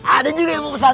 ada juga yang mau pesan